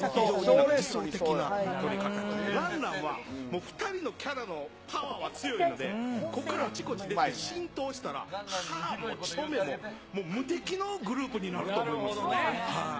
爛々は、２人のキャラのパワーは強いので、ここからあちこち出て、浸透したら、ハーも、チョメも、もう無敵のグループになると思いなるほどね。